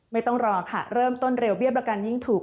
ไม่ต้องรอค่ะเริ่มต้นเร็วเบี้ยประกันยิ่งถูก